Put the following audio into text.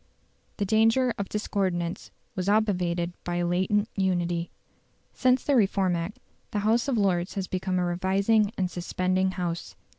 The danger of discordance was obviated by a latent unity. Since the Reform Act the House of Lords has become a revising and suspending House.